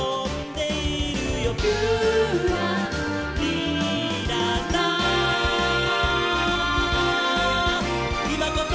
「いまこそ」